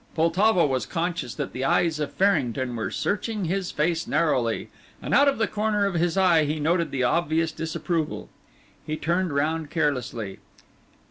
Poltavo was conscious that the eyes of Farrington were searching his face narrowly, and out of the corner of his eye he noted the obvious disapproval. He turned round carelessly.